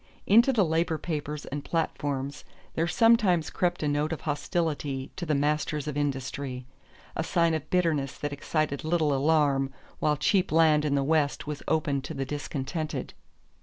Into the labor papers and platforms there sometimes crept a note of hostility to the masters of industry, a sign of bitterness that excited little alarm while cheap land in the West was open to the discontented.